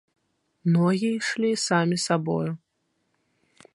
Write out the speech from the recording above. Ногі ішлі самі сабою.